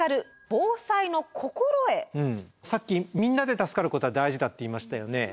さっき「みんなで助かることは大事だ」って言いましたよね。